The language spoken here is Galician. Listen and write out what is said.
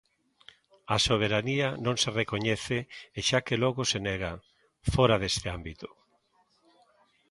A soberanía non se recoñece, e xa que logo se nega, fóra deste ámbito.